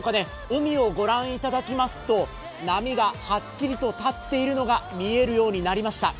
海をご覧いただきますと波がはっきりと立っているのが見えるようになりました。